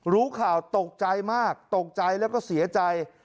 รู้ข่าวตกใจมากตกใจแล้วก็เสียใจ